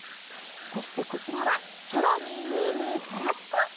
そしてこちらはチョロミームームーガラピコ！